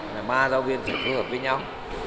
là ba giáo viên phải phối hợp với nhau